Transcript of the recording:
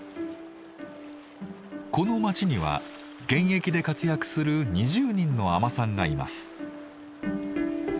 この町には現役で活躍する２０人の海女さんがいます。